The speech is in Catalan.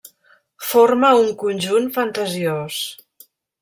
Forma un conjunt fantasiós.